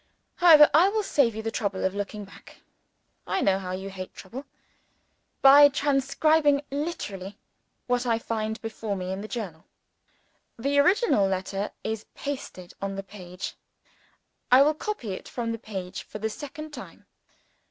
However, I will save you the trouble of looking back I know how you hate trouble! by transcribing literally what I find before me in the Journal. The original letter is pasted on the page: I will copy it from the page for the second time.